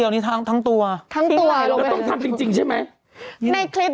แล้วต้องทำจริงใช่ไหม